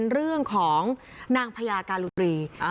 เรื่องหน้ากาลุตรี